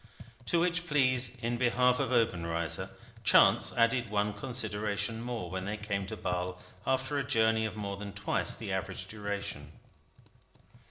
To which pleas in behalf of Obenreizer, chance added one consideration more, when they came to Basle after a journey of more than twice the average duration.